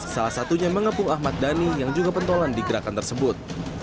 salah satunya mengepung ahmad dhani yang juga pentolan di gerakan tersebut